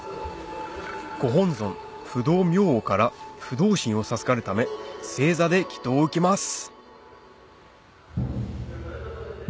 ご本尊不動明王から不動心を授かるため正座で祈祷を受けます